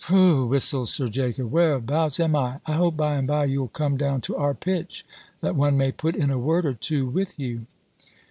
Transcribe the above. "Whew!" whistled Sir Jacob. "Whereabouts am I? I hope by and by you'll come down to our pitch, that one may put in a word or two with you."